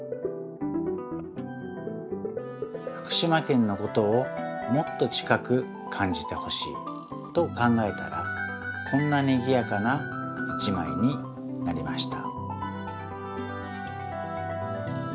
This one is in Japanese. ふくしまけんのことをもっと近くかんじてほしいと考えたらこんなにぎやかな１まいになりました。